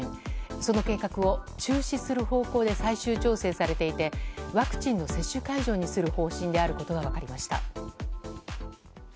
その計画を中止する方向で最終調整されていてワクチンの接種会場にする方針であることが分かりました。